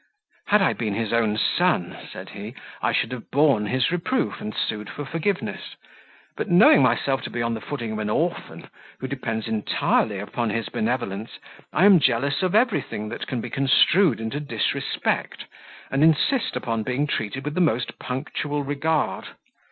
"Had I been his own son," said he, "I should have borne his reproof, and sued for forgiveness; but knowing myself to be on the footing of an orphan, who depends entirely upon his benevolence, I am jealous of everything that can be construed into disrespect, and insist upon being treated with the most punctual regard.